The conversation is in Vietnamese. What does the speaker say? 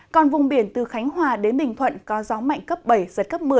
còn vùng biển từ khánh hòa đến bình thuận có gió mạnh cấp bảy giật cấp một mươi